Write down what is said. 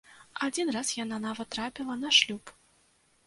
Адзін раз яна нават трапіла на шлюб.